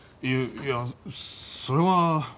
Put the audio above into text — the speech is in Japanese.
いいやそれは。